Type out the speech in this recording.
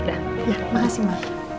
ya makasih ma